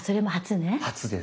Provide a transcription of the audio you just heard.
初です。